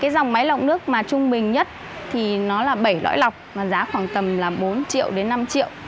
dòng máy lọc nước mà trung bình nhất là bảy loại lọc giá khoảng tầm bốn năm triệu